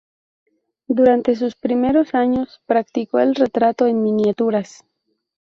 Durantes sus primeros años practicó el retrato en miniaturas.